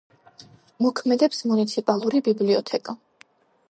მოქმედებს მუნიციპალური ბიბლიოთეკა.